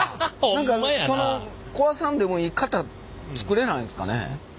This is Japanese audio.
何かその壊さんでもいい型作れないんですかね？